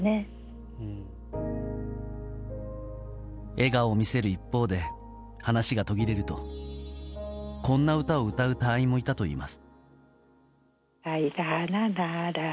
笑顔を見せる一方で話が途切れるとこんな歌を歌う隊員もいたといいます。